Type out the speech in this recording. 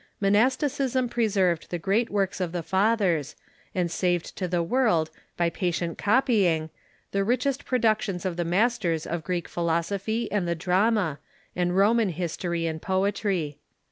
Monasticism pre Universal Progress _,, i ^,<• i ^ served the great works ot the lathers, and saved to the world, by patient copying, the richest produc tions of the masters of Greek philosophy and the drama, and Roman history and poetry.